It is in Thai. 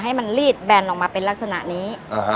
ให้มันลีดแบนออกมาเป็นลักษณะนี้